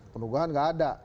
peneguhan gak ada